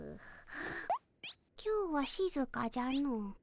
今日はしずかじゃの。